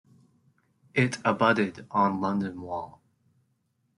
It abutted on London Wall.